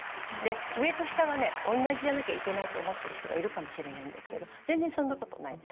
上と下がね同じじゃなきゃいけないと思ってる人がいるかもしれないんですけど全然そんなことないです。